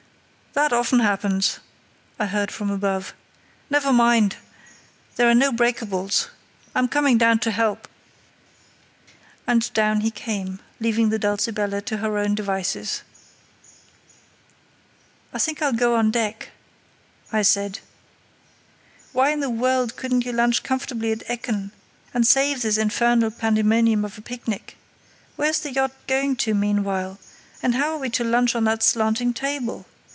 "That often happens," I heard from above. "Never mind! There are no breakables. I'm coming down to help." And down he came, leaving the Dulcibella to her own devices. "I think I'll go on deck," I said. "Why in the world couldn't you lunch comfortably at Ekken and save this infernal pandemonium of a picnic? Where's the yacht going to meanwhile? And how are we to lunch on that slanting table?